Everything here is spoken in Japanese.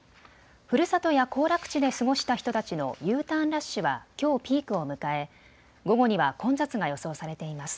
ふるさとや行楽地で過ごした人たちのＵターンラッシュはきょうピークを迎え、午後には混雑が予想されています。